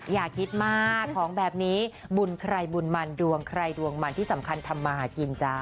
อย่าคิดมากของแบบนี้บุญใครบุญมันดวงใครดวงมันที่สำคัญทำมาหากินจ้า